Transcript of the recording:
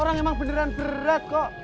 orang emang beneran berat kok